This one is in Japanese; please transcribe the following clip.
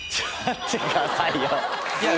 待ってくださいよ！